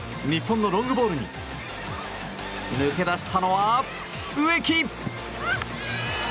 日本のロングボールに抜け出したのは植木！